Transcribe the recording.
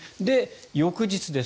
翌日です。